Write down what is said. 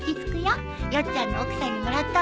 ヨッちゃんの奥さんにもらったんだ。